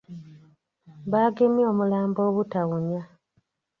Baagemye omulambo obutawunya.